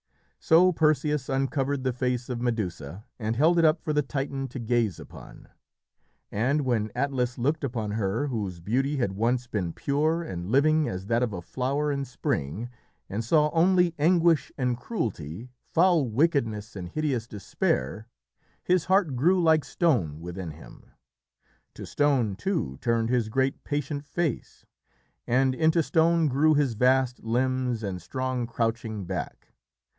So Perseus uncovered the face of Medusa and held it up for the Titan to gaze upon. And when Atlas looked upon her whose beauty had once been pure and living as that of a flower in spring, and saw only anguish and cruelty, foul wickedness, and hideous despair, his heart grew like stone within him. To stone, too, turned his great, patient face, and into stone grew his vast limbs and strong, crouching back.